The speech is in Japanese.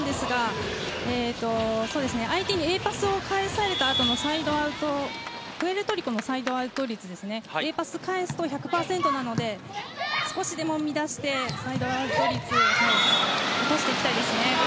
日本チームのサーブですが相手にＡパスを返されたあとのプエルトリコのサイドアウト率Ａパスを返すと１００％なので少しでも乱してサイドアウト率を落としていきたいですね。